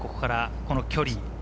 この距離。